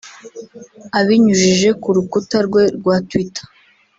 Abinyujije ku rukuta rwe rwa Twitter